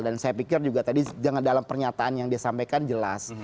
dan saya pikir juga tadi dalam pernyataan yang disampaikan jelas